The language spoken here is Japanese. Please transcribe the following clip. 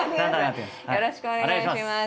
よろしくお願いします。